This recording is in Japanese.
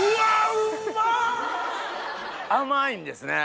甘いんですね